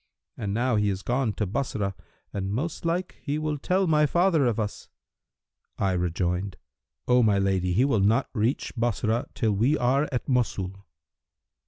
And now he is gone to Bassorah and most like he will tell my father of us.' I rejoined, 'O my lady he will not reach Bassorah, till we are at Mosul.'